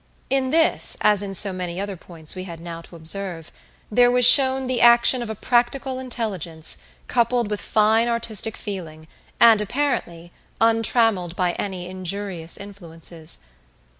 In this, as in so many other points we had now to observe, there was shown the action of a practical intelligence, coupled with fine artistic feeling, and, apparently, untrammeled by any injurious influences.